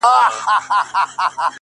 مرم د بې وخته تقاضاوو; په حجم کي د ژوند;